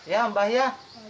ya mbah ya